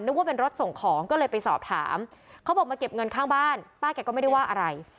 ว่าเป็นรถส่งของก็เลยไปสอบถามเขาบอกมาเก็บเงินข้างบ้านป้าแกก็ไม่ได้ว่าอะไร